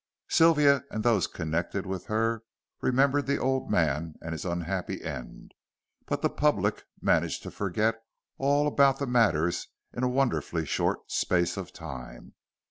Sylvia and those connected with her remembered the old man and his unhappy end, but the public managed to forget all about the matter in a wonderfully short space of time.